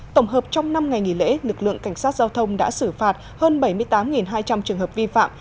tổng hợp trong năm ngày nghỉ lễ lực lượng cảnh sát giao thông đã xử phạt hơn bảy mươi tám hai trăm linh trường hợp vi phạm